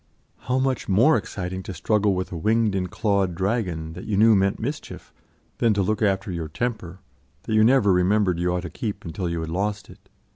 How much more exciting to struggle with a winged and clawed dragon, that you knew meant mischief, than to look after your temper, that you never remembered you ought to keep until you had lost it.